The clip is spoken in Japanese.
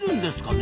ね